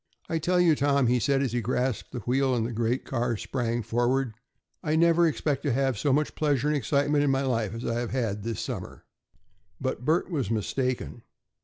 "I tell you, Tom," he said, as he grasped the wheel and the great car sprang forward, "I never expect to have so much pleasure and excitement in my life as I have had this summer." But Bert was mistaken.